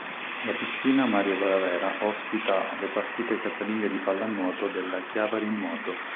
La piscina Mario Ravera ospita le partite casalinghe di pallanuoto della Chiavari Nuoto.